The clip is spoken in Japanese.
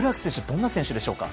どんな選手でしょうか。